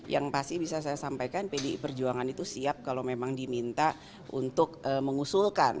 yang pasti bisa saya sampaikan pdi perjuangan itu siap kalau memang diminta untuk mengusulkan